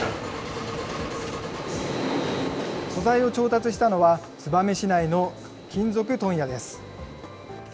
素材を調達したのは、燕市内の金属問屋です。